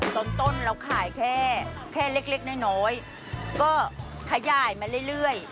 ต้นเราขายแค่เล็กน้อยก็ขยายมาเรื่อย